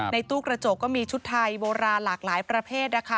ตู้กระจกก็มีชุดไทยโบราณหลากหลายประเภทนะคะ